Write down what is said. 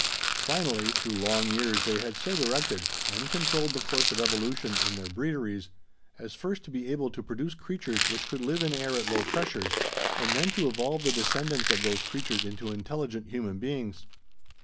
Finally, through long years, they had so directed and controlled the course of evolution, in their breederies, as first to be able to produce creatures which could live in air at low pressures, and then to evolve the descendants of those creatures into intelligent human beings.